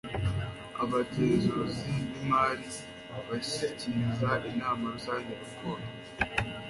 abagenzuzi b'imari bashyikiriza inama rusange raporo